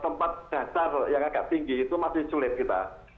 tempat dasar yang agak tinggi itu masih sulit kita